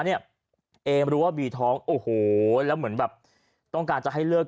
เนี่ยเอมรู้ว่าบีท้องโอ้โหแล้วเหมือนแบบต้องการจะให้เลิก